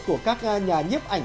của các nhà nhiếp ảnh